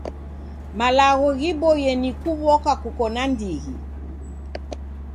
Malagho ghiboiye ni kuw'oka kuko na ndighi.